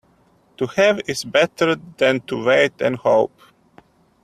To have is better than to wait and hope.